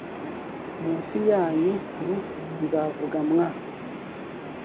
minsi yanyu r nzavuga mwa